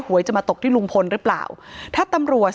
ถ้าใครอยากรู้ว่าลุงพลมีโปรแกรมทำอะไรที่ไหนยังไง